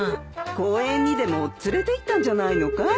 公園にでも連れていったんじゃないのかい？